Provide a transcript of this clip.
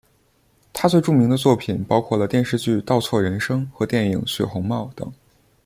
他最著名的作品包括了电视剧倒错人生和电影血红帽等。